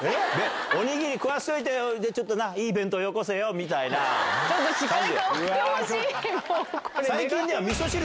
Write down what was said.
おにぎり食わせておいて、ちょっとな、いい弁当よこせよみたいな感じ。